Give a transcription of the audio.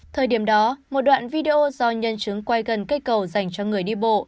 thời điểm đó một đoạn video do nhân chứng quay gần cây cầu dành cho người đi bộ